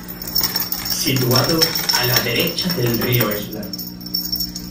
Situado a la derecha del Río Esla.